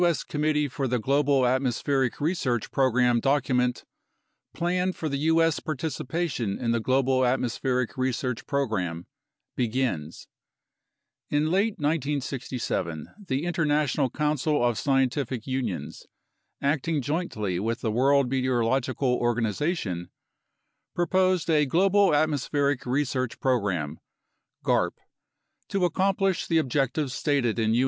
S. Committee for the Global Atmospheric Research Program document Plan for U.S. Participation in the Global Atmos pheric Research Program begins : In late 1967 the International Council of Scientific Unions, acting jointly with the World Meteorological Organization, proposed a Global Atmosphere Research Program (garp) to accomplish the objectives stated in U.